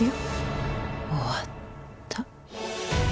終わった。